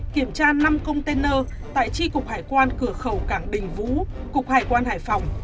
kiểm tra năm container tại tri cục hải quan cửa khẩu cảng đình vũ cục hải quan hải phòng